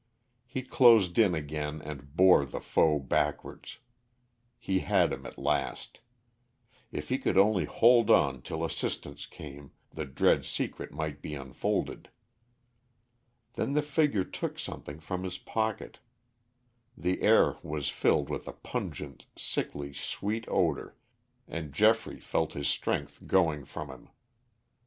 He closed in again and bore the foe backwards. He had him at last. If he could only hold on till assistance came, the dread secret might be unfolded. Then the figure took something from his pocket; the air was filled with a pungent, sickly sweet odor, and Geoffrey felt his strength going from him.